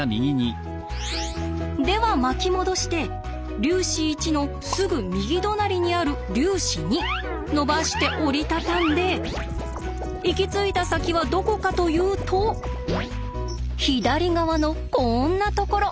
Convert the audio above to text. では巻き戻して粒子１のすぐ右隣にある粒子２のばして折り畳んで行き着いた先はどこかというと左側のこんなところ。